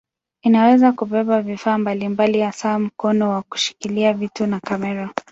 Inaweza kubeba vifaa mbalimbali hasa mkono wa kushikilia vitu na kamera.